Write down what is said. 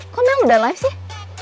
kok udah live sih